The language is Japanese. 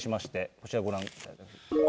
こちらご覧ください。